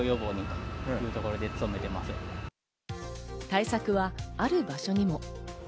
対策はある場所にも。